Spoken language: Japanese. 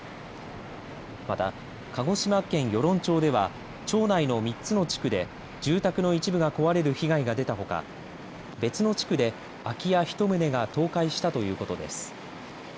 また、鹿児島県与論町では町内の３つの地区で住宅の一部が壊れる被害が出たほか別の地区で空き家１棟が倒壊したということです。